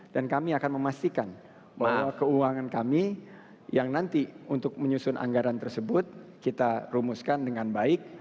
dan kami akan memastikan bahwa keuangan kami yang nanti untuk menyusun anggaran tersebut kita rumuskan dengan baik